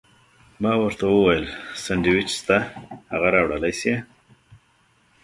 ما ورته وویل: سانډویچ شته، هغه راوړلی شې؟